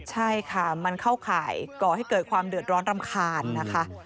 ใช่ค่ะมันเข้าข่ายก่อให้เกิดความเดือดร้อนรำคาญนะคะ